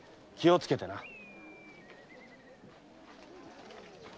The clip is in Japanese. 気をつけてな。